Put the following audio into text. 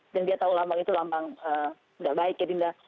dan dia tahu lambang itu lambang tidak baik ya dinda